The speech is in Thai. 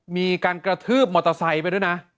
มีการกระทืบมอเตอร์ไซค์ไปด้วยนะ